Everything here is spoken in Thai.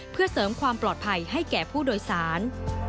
เพื่อเสริมความปลอดภัยให้แก่ผู้โดยสาร